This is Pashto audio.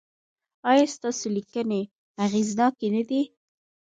ایا ستاسو لیکنې اغیزناکې نه دي؟